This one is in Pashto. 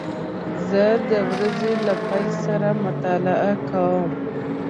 زه د ورځې له پیل سره مطالعه کوم.